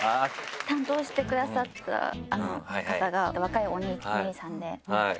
担当してくださった方が若いお兄さんで。